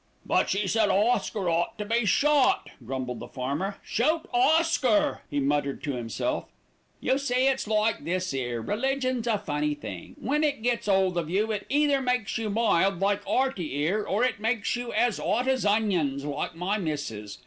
"But she said Oscar ought to be shot," grumbled the farmer. "Shoot Oscar!" he muttered to himself. "You see, it's like this 'ere, religion's a funny thing. When it gets 'old of you, it either makes you mild, like 'Earty 'ere, or it makes you as 'ot as onions, like my missis.